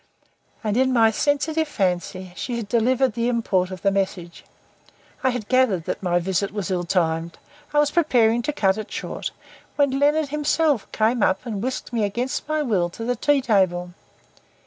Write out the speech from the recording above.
And (in my sensitive fancy) she had delivered the import of the message. I had gathered that my visit was ill timed. I was preparing to cut it short, when Leonard himself came up and whisked me against my will to the tea table.